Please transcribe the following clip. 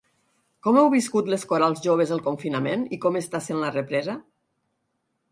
Com heu viscut les corals joves el confinament i com està sent la represa?